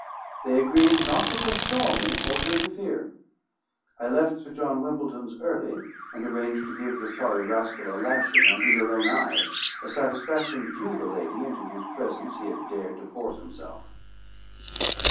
They agreed not to forestall me or to interfere. I left Sir John Wimpledon's early, and arranged to give the sorry rascal a lashing under your own eyes, a satisfaction due the lady into whose presence he had dared to force himself."